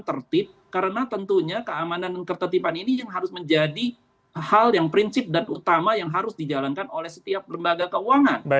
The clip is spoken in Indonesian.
tertib karena tentunya keamanan dan ketertiban ini yang harus menjadi hal yang prinsip dan utama yang harus dijalankan oleh setiap lembaga keuangan